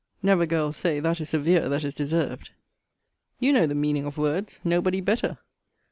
Never, girl, say that is severe that is deserved. You know the meaning of words. No body better.